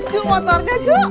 cuk motornya cuk